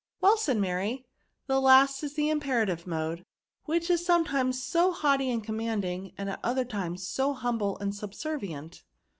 " Well," said Mary, " the last is the im perative mode, which is sometimes so haughty and commanding) and at others so humble and subservient."